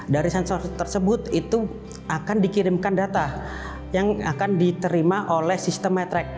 dari sensor tersebut itu akan dikirimkan data yang akan diterima oleh sistem metrect